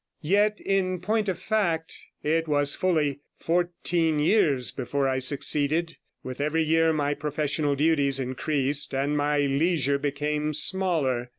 Yet in point of fact, it was fully fourteen years before I succeeded. With every year my professional duties increased and my leisure became smaller.